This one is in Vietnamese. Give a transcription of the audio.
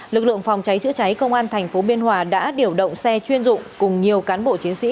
lực lượng phòng cháy chữa cháy công an thành phố biên hòa đã điều động xe chuyên dụng cùng nhiều cán bộ chiến sĩ